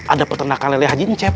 ada peternakan lele hajin cep